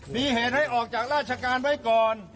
มีเหตุให้ออกจากราชการไว้ก่อน